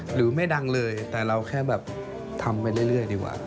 หรือไม่ดังเลยแต่เราแค่แบบทำไปเรื่อยดีกว่า